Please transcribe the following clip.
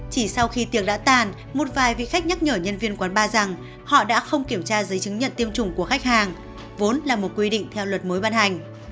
chỉ sau khi tiệc đã tàn một vài vị khách nhắc nhở nhân viên quán bar rằng họ đã không kiểm tra giấy chứng nhận tiêm chủng của khách hàng vốn là một quy định theo luật mới ban hành